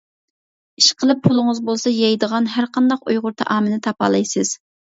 ئىشقىلىپ پۇلىڭىز بولسا يەيدىغان ھەرقانداق ئۇيغۇر تائامىنى تاپالايسىز.